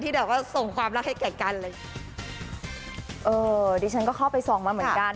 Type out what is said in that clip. แบบว่าส่งความรักให้แก่กันเลยเออดิฉันก็เข้าไปส่องมาเหมือนกัน